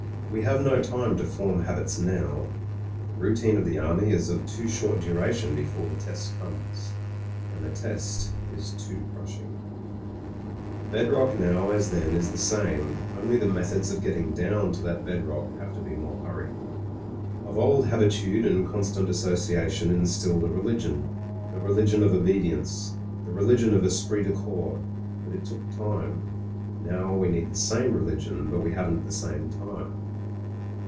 We have no time to form habits now ; the routine of the army is of too short duration before the test comes. And the test is too crushing. ... S8 , MEN, WOMEN AND GUNS The bed rock now as then is the same, only the methods of getting down to that bed rock have to be more hurried. Of old habitude and constant associa tion instilled a religion — the religion of obedience, the religion of esprit de corps. But it took time. Now we need the same religion, but we haven't the same time.